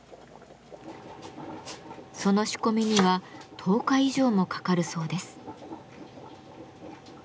その仕込みには１０日以上もかかるそうです。